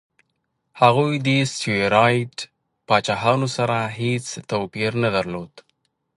هغوی د سټیوراټ پاچاهانو سره هېڅ توپیر نه درلود.